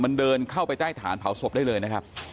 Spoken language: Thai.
มันเดินเข้าไปใต้ฐานเผาศพได้เลยนะครับ